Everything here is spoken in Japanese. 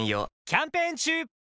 キャンペーン中！